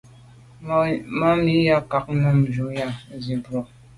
Námí à’cág ná cǎŋ ndǎmjú ā yā zí’də́ mə̀bró.